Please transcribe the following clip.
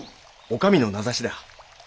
女将の名指しだ。